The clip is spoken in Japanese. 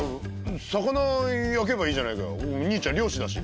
魚焼けばいいじゃないか兄ちゃん漁師だし。